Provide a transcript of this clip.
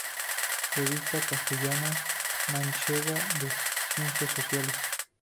Revista Castellano-Manchega de Ciencias Sociales.